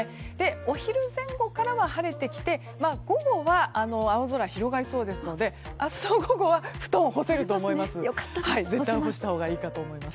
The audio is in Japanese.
お昼前後からは晴れてきて午後は青空が広がりそうですので明日の午後は布団を干せると思います。